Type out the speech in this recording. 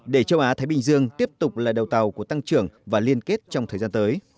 để châu á thái bình dương tiếp tục là đầu tàu của tăng trưởng và liên kết trong thời gian tới